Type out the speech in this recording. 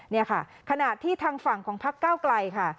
นี่ค่ะขณะที่ทางฝั่งของพักเก้าไกลค่ะ